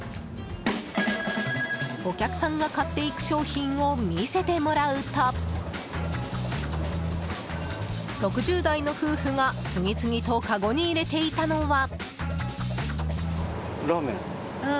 お客さんが買っていく商品を見せてもらうと６０代の夫婦が、次々とかごに入れていたのは。